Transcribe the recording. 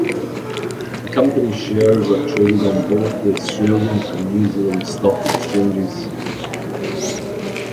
The company's shares are traded on both the Australian and New Zealand Stock Exchanges.